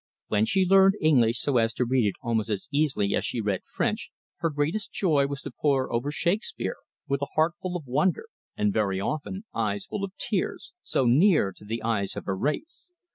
When she learned English so as to read it almost as easily as she read French, her greatest joy was to pore over Shakespeare, with a heart full of wonder, and, very often, eyes full of tears so near to the eyes of her race.